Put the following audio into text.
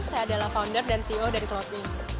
saya adalah founder dan ceo dari clothing